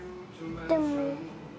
でも。